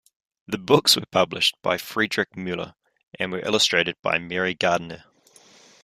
The books were published by Frederick Muller and were illustrated by Mary Gardiner.